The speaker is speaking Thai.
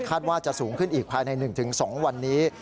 ว่าจะสูงขึ้นอีกภายใน๑๒วันนี้